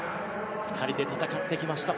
２人で戦ってきました。